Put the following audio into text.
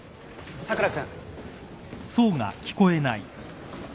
佐倉君！